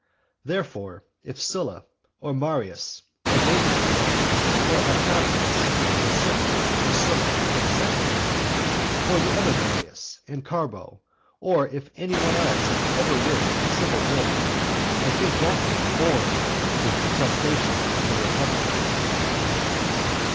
Therefore, if Sylla, or Marius, or both of them, or Octavius, or Cinna, or Sylla for the second time, or the other Marius and Carbo, or if any one else has ever wished for civil war, I think that man a citizen born for the detestation of the republic.